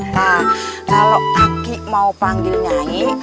kalau aki mau panggil nyai